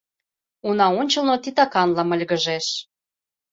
Уна ончылно титаканла мыльгыжеш.